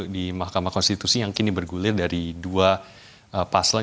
di mahkamah konstitusi yang kini bergulir dari dua paslon